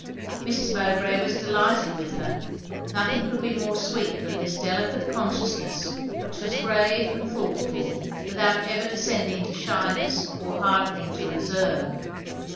Mrs. Mowbray was delighted with her; nothing could be more sweet than this delicate consciousness which was grave and thoughtful without ever descending to shyness or hardening to reserve.